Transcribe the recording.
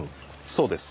そうです。